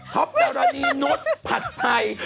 ครอบธรณีโน๊ตผัดไทย